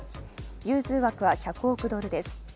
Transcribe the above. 融通枠は１００億ドルです。